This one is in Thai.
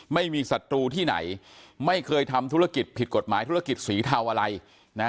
ศัตรูที่ไหนไม่เคยทำธุรกิจผิดกฎหมายธุรกิจสีเทาอะไรนะ